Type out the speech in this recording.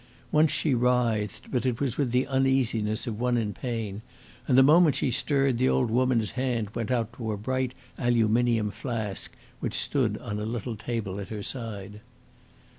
Once she writhed, but it was with the uneasiness of one in pain, and the moment she stirred the old woman's hand went out to a bright aluminium flask which stood on a little table at her side.